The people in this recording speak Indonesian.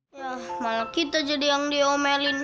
wah malah kita jadi yang diomelin